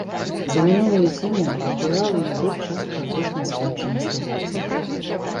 За мінулую зіму паплыла ў нябыт частка апошняй спадчыны стагоддзяў.